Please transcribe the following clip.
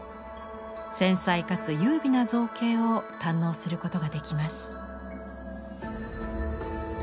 繊細かつ優美な造形を堪能することができます。